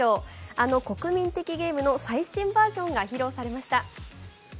あの国民的ゲームの最新バージョンが披露されました。